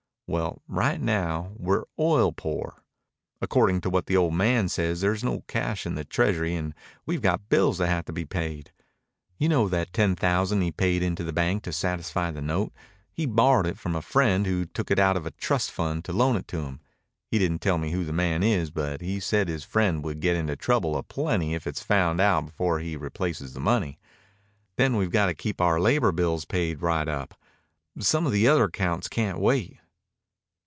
"Well, right now we're oil poor. According to what the old man says there's no cash in the treasury and we've got bills that have to be paid. You know that ten thousand he paid in to the bank to satisfy the note. He borrowed it from a friend who took it out of a trust fund to loan it to him. He didn't tell me who the man is, but he said his friend would get into trouble a plenty if it's found out before he replaces the money. Then we've got to keep our labor bills paid right up. Some of the other accounts can wait."